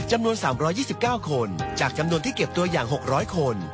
จำนวนสามร้อยยี่สิบเก้าคนจากจำนวนที่เก็บตัวอย่างหกร้อยคน